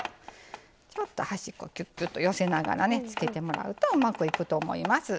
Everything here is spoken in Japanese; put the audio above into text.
ちょっと端っこキュッキュッと寄せながらねつけてもらうとうまくいくと思います。